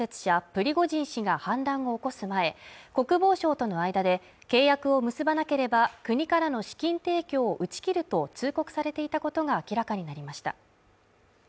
プリゴジン氏が反乱を起こす前国防省との間で契約を結ばなければ、国からの資金提供を打ち切ると通告されていたことが明らかになりました。